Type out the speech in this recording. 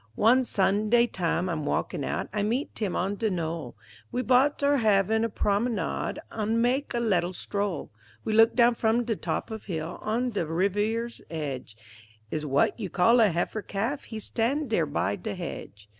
Wan Sunday tam' I'm walking out I meet Tim on de knoll, We bot' are hav' a promenade An' mak' a leddle stroll; We look down from de top of hill, An' on de reevere's edge Is w'at you call a heifer calf, He stan' dere by de hedge.